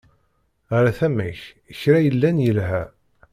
Ɣer tama-k kra yellan yelha.